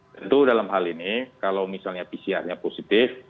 tentu dalam hal ini kalau misalnya pcrnya positif